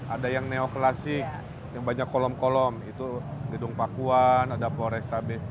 ada yang neo klasik yang banyak kolom kolom itu gedung pakuan ada flores tabe